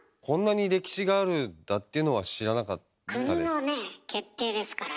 こんなに歴史があるんだっていうのは知らなかったです。